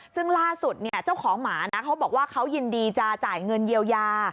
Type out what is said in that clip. ซึ่งล่าสุดเนี่ยเจ้าของหมานะเขาบอกว่าเขายินดีจะจ่ายเงินเยียวยา